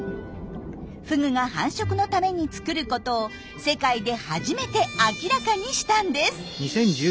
フグが繁殖のために作ることを世界で初めて明らかにしたんです。